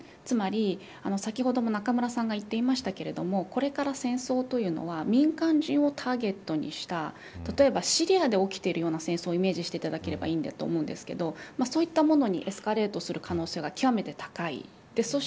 つまり、先ほども中村さんが言っていましたがこれから戦争というのは民間人をターゲットにした例えば、シリアで起きているような戦争をイメージしていただければいいと思うんですがそういったものにエスカレートする可能性が極めて高い。